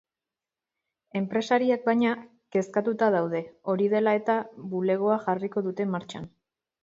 Enpresariak baina, kezkatuta daude, hori dela eta bulegoa jarriko dute martxan.